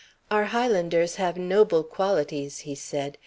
"Our Highlanders have noble qualities," he said.